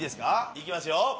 行きますよ。